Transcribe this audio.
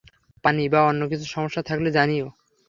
পানি বা অন্যকিছুর সমস্যা থাকলে জানিও।